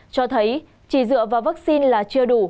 cho thấy chỉ dựa vào vaccine là chưa đủ